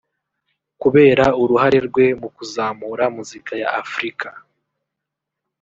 kubera uruhare rwe mu kuzamura muzika ya Africa